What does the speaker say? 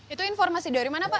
itu informasi dari mana pak